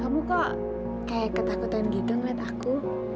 kamu kok kayak ketakutan giga ngeliat aku